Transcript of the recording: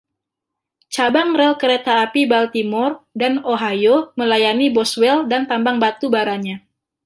Cabang rel kereta api Baltimore dan Ohio melayani Boswell dan tambang batu baranya.